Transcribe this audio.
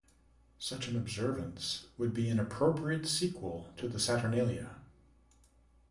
Such an observance would be an appropriate sequel to the Saturnalia.